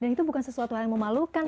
itu bukan sesuatu hal yang memalukan